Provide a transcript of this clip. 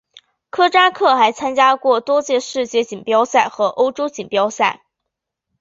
科扎克还参加过多届世界锦标赛和欧洲锦标赛。